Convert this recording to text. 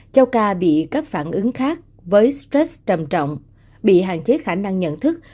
châu ca bị các phản ứng khác với stress trầm trọng bị hạn chế khả năng nhận thức